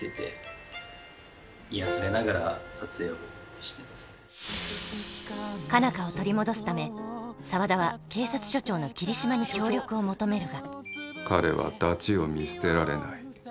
しかし控え室では予想外の展開が佳奈花を取り戻すため沢田は警察署長の桐島に協力を求めるが彼はダチを見捨てられない。